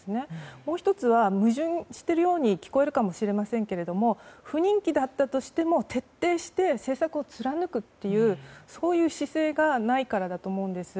もう１つは、矛盾しているように聞こえるかもしれませんが不人気だったとしても徹底して政策を貫くというそういう姿勢がないからだと思うんです。